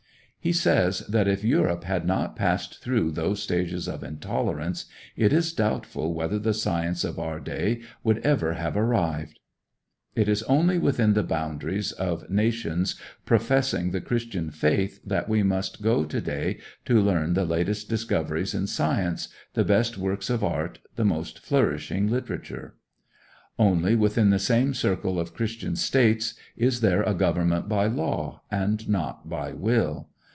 He says that "if Europe had not passed through those ages of intolerance, it is doubtful whether the science of our day would ever have arrived." It is only within the boundaries of nations professing the Christian faith that we must go to day to learn the latest discoveries in science, the best works of art, the most flourishing literature. Only within the same circle of Christian states is there a government by law, and not by will.